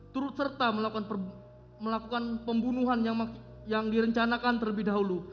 turut serta melakukan pembunuhan yang direncanakan terlebih dahulu